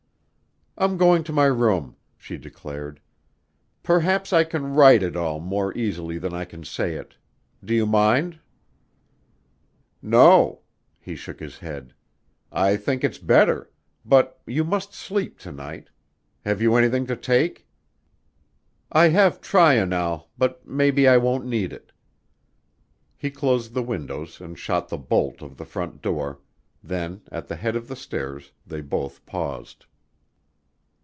"I'm going to my room," she declared. "Perhaps I can write it all more easily than I can say it. Do you mind?" "No." He shook his head. "I think it's better but you must sleep to night. Have you anything to take?" "I have trional but maybe I won't need it." He closed the windows and shot the bolt of the front door; then, at the head of the stairs, they both paused.